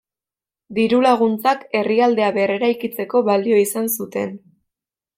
Diru-laguntzak herrialdea berreraikitzeko balio izan zuten.